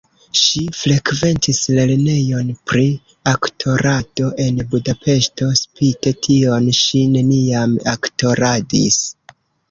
Ŝi frekventis lernejon pri aktorado en Budapeŝto, spite tion ŝi neniam aktoradis.